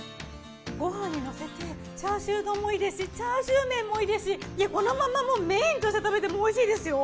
ご飯にのせてチャーシュー丼もいいですしチャーシュー麺もいいですしこのままメインとして食べても美味しいですよ。